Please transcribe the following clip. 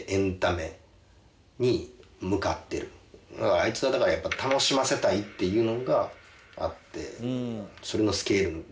あいつはだからやっぱ「楽しませたい」っていうのがあって。